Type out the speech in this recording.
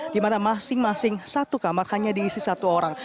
dimana masing masing satu kamar hanya diisi satu orang